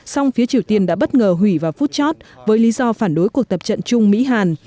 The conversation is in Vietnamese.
song phía triều tiên đã bất ngờ hủy vào phút chót với lý do phản đối cuộc tập trận chung mỹ hàn